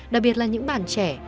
đặc biệt là những bản trẻ